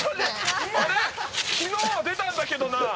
きのうは出たんだけどな。